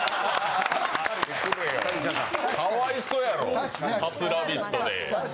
かわいそやろ、初「ラヴィット！」で。